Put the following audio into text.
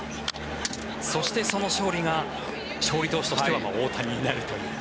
そしてその勝利が勝利投手としては大谷になるというね。